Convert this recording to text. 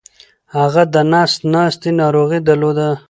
هغه دنس ناستې ناروغې درلوده